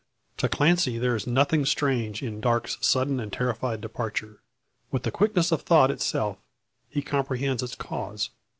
To Clancy there is nothing strange in Darke's sudden and terrified departure. With the quickness of thought itself, he comprehends its cause.